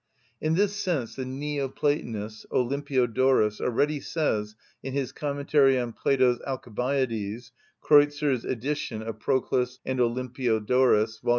In this sense the Neo‐Platonist Olympiodorus already says in his commentary on Plato's Alcibiades (Kreuzer's edition of Proclus and Olympiodorus, vol.